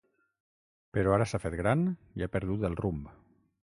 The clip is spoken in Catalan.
Però ara s’ha fet gran i ha perdut el rumb.